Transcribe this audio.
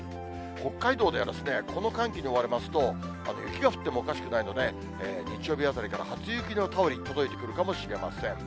北海道ではですね、この寒気に覆われますと、雪が降ってもおかしくないので、日曜日あたりから初雪の便り、届いてくるかもしれません。